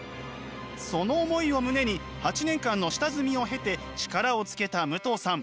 その思いを胸に８年間の下積みを経て力をつけた武藤さん。